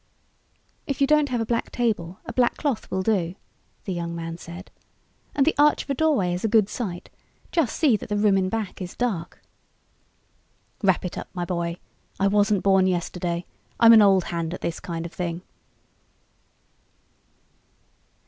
"If you don't have a black table, a black cloth will do," the young man said. "And the arch of a doorway is a good site, just see that the room in back is dark." "Wrap it up, my boy, I wasn't born yesterday. I'm an old hand at this kind of thing."